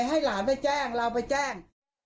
ให้หลานไปแจ้งเราไปแจ้ง